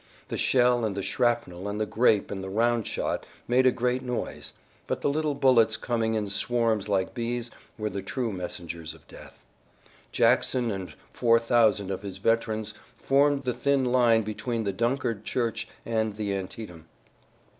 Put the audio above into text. The shell and the shrapnel and the grape and the round shot made a great noise, but the little bullets coming in swarms like bees were the true messengers of death. Jackson and four thousand of his veterans formed the thin line between the Dunkard church and the Antietam.